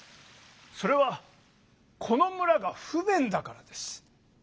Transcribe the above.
それはこの村が不便だからです！